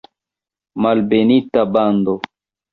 Malbenita bando!